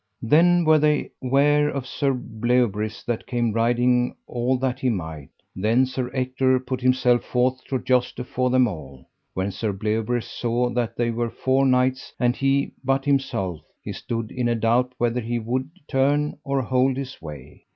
Then were they ware of Sir Bleoberis that came riding all that he might. Then Sir Ector put himself forth to joust afore them all. When Sir Bleoberis saw that they were four knights and he but himself, he stood in a doubt whether he would turn or hold his way.